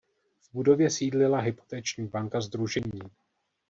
V budově sídlila hypoteční banka sdružení.